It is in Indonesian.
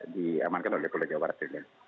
diamankan oleh polda jawa barat ini